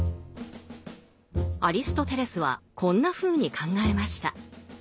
アリストテレスはこんなふうに考えました。